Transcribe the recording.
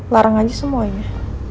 larang aja semuanya